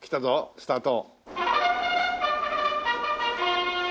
スタート。